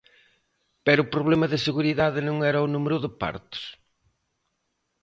¿Pero o problema de seguridade non era o número de partos?